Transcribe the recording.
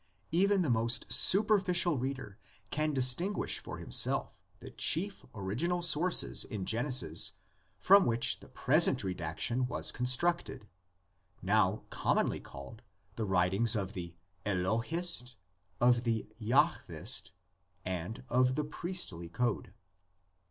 Even the most superficial reader can dis tinguish for himself the chief original sources in Genesis from which the present redaction was con structed, now commonly called the writings of the Elohist, of the Jahvist, and of the Priestly Code.